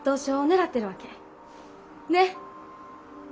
ねっ。